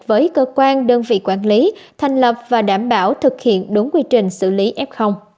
với cơ quan đơn vị quản lý thành lập và đảm bảo thực hiện đúng quy trình xử lý f